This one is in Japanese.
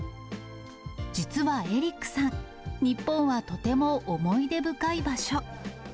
実はエリックさん、日本はとても思い出深い場所。